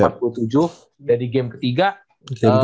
game ketiga juga yaa game ketiga juga